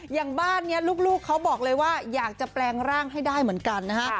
อย่างบ้านนี้ลูกเขาบอกเลยว่าอยากจะแปลงร่างให้ได้เหมือนกันนะฮะ